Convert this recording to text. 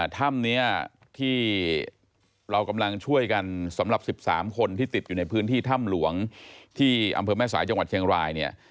ถ้ำนี้ที่เรากำลังช่วยกันสำหรับ๑๓คนที่ติดอยู่ในพื้นที่ถ้ำหลวงที่อำเภอแม่สายจังหวัดเชียงรายเนี่ย